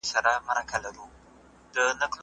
ایا تاسي د ورځپاڼې د مدیر سره وکتل؟